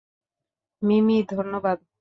মিমি, ধন্যবাদ।